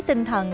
với tinh thần